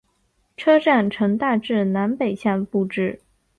车站呈大致南北向布置。